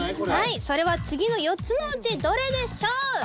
それは次の４つのうちどれでしょう？